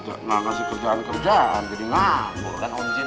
jadi gak ngasih kerjaan kerjaan jadi ngaku kan onzin